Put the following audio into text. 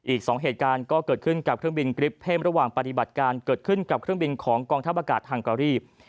อีก๒เหตุการณ์ก็เกิดขึ้นกับเครื่องบินกริปเพิ่มระหว่างปฏิบัติการเกิดขึ้นกับเครื่องบินของกองทัพอากาศฮังการี